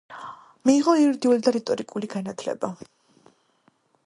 მიიღო იურიდიული და რიტორიკული განათლება.